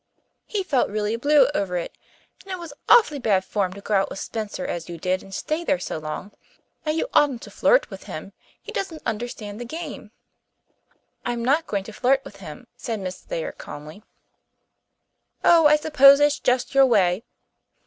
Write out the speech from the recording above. He felt really blue over it. And it was awfully bad form to go out with Spencer as you did and stay there so long. And you oughtn't to flirt with him he doesn't understand the game." "I'm not going to flirt with him," said Miss Thayer calmly. "Oh, I suppose it's just your way.